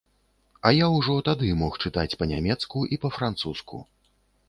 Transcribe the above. А я ўжо тады мог чытаць і па-нямецку, і па-французску.